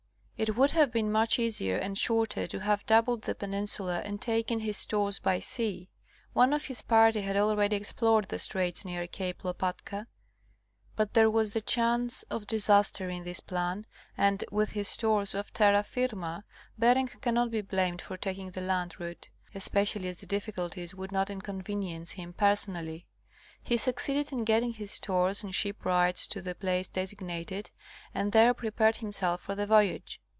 It would have been much easier and shorter to have doubled the peninsula and taken his stores by sea; one of his party had already explored the straits near Cape Lopatka, but there was the chance of disaster in this plan and, with his stores on terra firma, Bering cannot be blamed for taking the land route ; especially as the difficulties would not inconvenience him personally. He succeeded in getting his stores and shipwrights to the place designated and there prepared himself for the voyage.